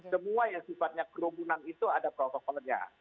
semua yang sifatnya kerumunan itu ada protokolnya